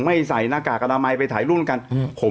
ไม่ใส่หน้ากากกาดามัยไปถ่ายรูปรวมกลุ่มกัน